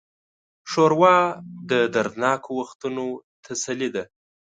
ښوروا د دردناکو وختونو تسلي ده.